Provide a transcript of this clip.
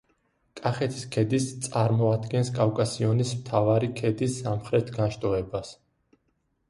კახეთის ქედის წარმოადგენს კავკასიონის მთავარი ქედის სამხრეთ განშტოებას.